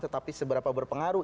tetapi seberapa berpengaruh